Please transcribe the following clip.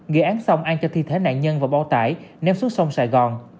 ghi án xong an cho thi thể nạn nhân vào bao tải ném xuống sông sài gòn